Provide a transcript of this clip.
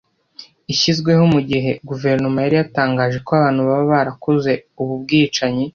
ishyizweho mu gihe guverinoma yari yatangaje ko abantu baba barakoze ubu bwicanyi